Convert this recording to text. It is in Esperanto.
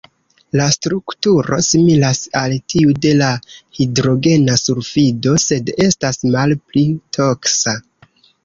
La strukturo similas al tiu de la hidrogena sulfido, sed estas malpli toksa.